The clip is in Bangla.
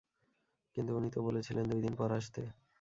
কিন্তু উনিই তো বলেছিলেন দুইদিন পর আসতে।